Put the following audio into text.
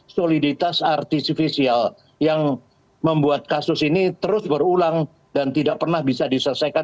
soliditas artisisial yang membuat kasus ini terus berulang dan tidak pernah bisa diselesaikan